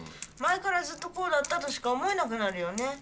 前からずっとこうだったとしか思えなくなるよね。